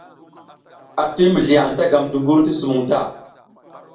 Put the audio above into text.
Ati mizliAnta gam dungur ti sumuŋ ta.